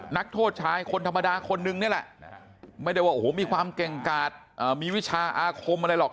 นักโทษชายคนธรรมดาคนนึงนี่แหละไม่ได้ว่าโอ้โหมีความเก่งกาดมีวิชาอาคมอะไรหรอก